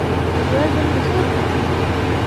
د جوار ګل د څه لپاره وکاروم؟